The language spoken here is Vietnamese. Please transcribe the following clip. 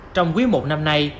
trong quý một năm nay